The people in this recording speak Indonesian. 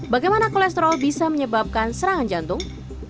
bagaimana kolesterol bisa menyebabkan serangan jantung